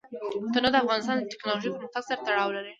تنوع د افغانستان د تکنالوژۍ پرمختګ سره تړاو لري.